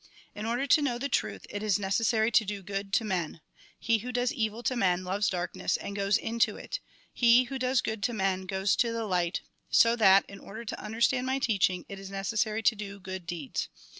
In order to know the truth, it is necessary to do good to men. He who does evil to men, loves darkness, and goes into it ; he who does good to men, goes to the light ; so that, in order to understand my teaching, it is necessary to d(j good deeds.